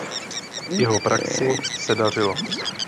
Jeho praxi se dařilo.